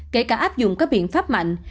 kể cả áp dụng các biện pháp mạnh